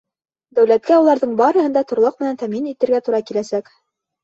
Дәүләткә уларҙың барыһын да торлаҡ менән тәьмин итергә тура киләсәк.